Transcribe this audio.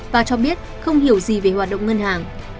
bà cho biết không hiểu gì về hoạt động ngân hàng